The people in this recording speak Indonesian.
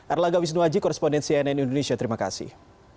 erlaga wisnuwaji korespondensi ann indonesia terima kasih